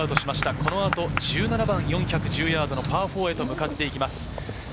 この後１７番、４１０ヤードのパー４へと向かいます。